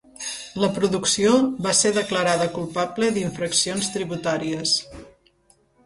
La producció va ser declarada culpable d'infraccions tributàries.